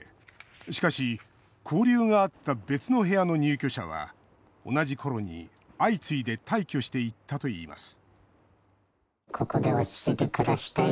しかし、交流があった別の部屋の入居者は同じ頃に相次いで退去していったといいます